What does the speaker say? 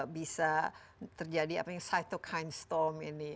bisa terjadi apa yang cycle storm ini